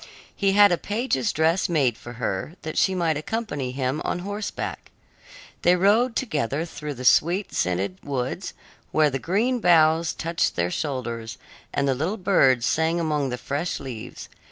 He had a page's dress made for her, that she might accompany him on horseback. They rode together through the sweet scented woods, where the green boughs touched their shoulders, and the little birds sang among the fresh leaves.